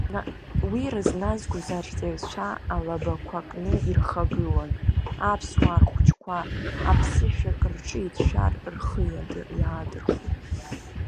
Уи рызназгоз арҵаҩцәа алабақәа кны ирхагылан, аԥсуаа рхәҷқәа аԥсышәак рҿы иҭшәар рхы иаадырхон.